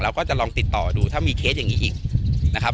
ก็จะลองติดต่อดูถ้ามีเคสอย่างนี้อีกนะครับ